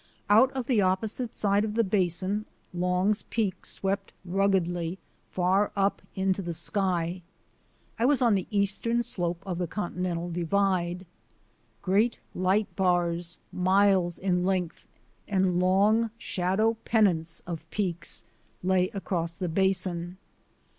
Out of the opposite side of the Basin, Long's Peak swept ruggedly far up into the sky. I was on the eastern slope of the Continental 72 THE ADVENTURES OF A NATURE GUIDE Divide. Great light bars, miles in length, and long shadow pennants of peaks lay across the basin.